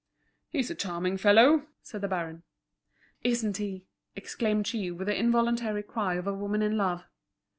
"He's a charming fellow," said the baron. "Isn't he?" exclaimed she, with the involuntary cry of a woman in love.